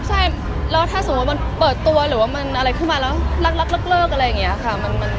ใช่แล้วถ้าสมมุติมันเปิดตัวหรือว่ามันอะไรขึ้นมาแล้วรักเลิกอะไรอย่างนี้ค่ะ